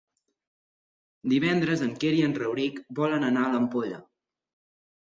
Divendres en Quer i en Rauric volen anar a l'Ampolla.